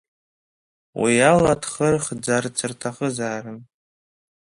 Уи ала дхырхӡарц рҭахызаарын.